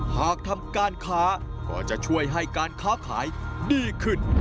หากทำการค้าก็จะช่วยให้การค้าขายดีขึ้น